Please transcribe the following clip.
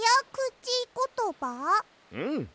うん。